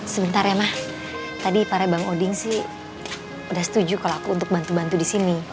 sebentar ya mah tadi para bang oding sih udah setuju kalau aku untuk bantu bantu di sini